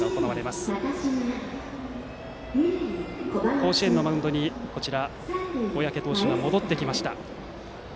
甲子園のマウンドに小宅投手が戻ってきました。